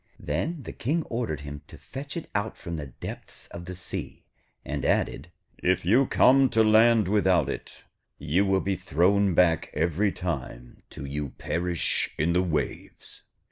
Then the King ordered him to fetch it out from the depths of the sea, and added 'If you come to land without it, you will be thrown back every time till you perish in the waves.'